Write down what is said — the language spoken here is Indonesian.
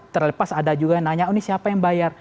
terlepas ada juga yang nanya oh ini siapa yang bayar